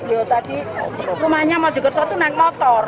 beliau tadi rumahnya mau jemput naik motor